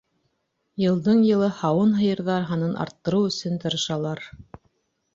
Йылдың-йылы һауын һыйырҙар һанын арттырыу өсөн тырышалар.